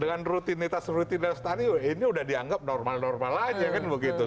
dengan rutinitas rutinitas tadi ini udah dianggap normal normal aja kan begitu